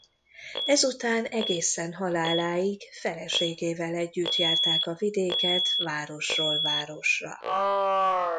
Ezután egészen haláláig feleségével együtt járták a vidéket városról városra.